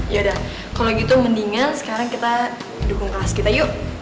yaudah kalau gitu mendingan sekarang kita dukung kelas kita yuk